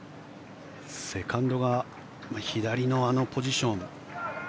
セカンドが左のあのポジション。